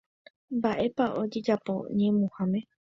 Mba'épa ojejapo ñemuháme.